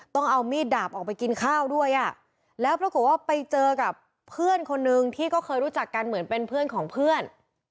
ต้องเอามีดดาบออกไปกินข้าวด้วยอ่ะแล้วปรากฏว่าไปเจอกับเพื่อนคนนึงที่ก็เคยรู้จักกันเหมือนเป็นเพื่อนของเพื่อน